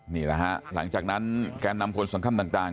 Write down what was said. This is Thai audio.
นี่แหละฮะหลังจากนั้นแกนนำคนสำคัญต่าง